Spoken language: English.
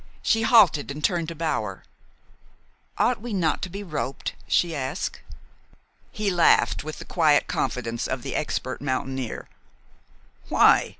She halted and turned to Bower. "Ought we not to be roped?" she asked. He laughed, with the quiet confidence of the expert mountaineer. "Why?"